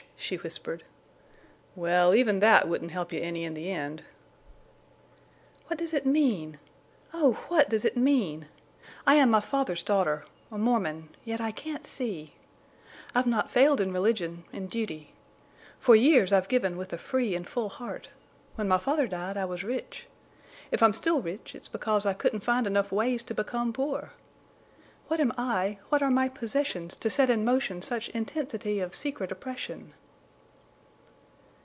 she whispered. "Well, even that wouldn't help you any in the end." "What does it mean? Oh, what does it mean? I am my father's daughter—a Mormon, yet I can't see! I've not failed in religion—in duty. For years I've given with a free and full heart. When my father died I was rich. If I'm still rich it's because I couldn't find enough ways to become poor. What am I, what are my possessions to set in motion such intensity of secret oppression?"